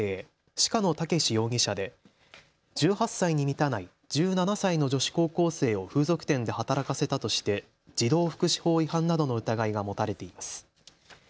鹿野健容疑者で１８歳に満たない１７歳の女子高校生を風俗店で働かせたとして児童福祉法違反などの疑いが持たれています。